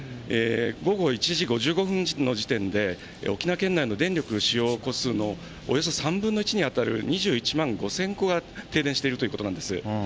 午後１時５５分の時点で、沖縄県内の電力使用戸数のおよそ３分の１に当たる２１万５０００戸が停電しているということなんです。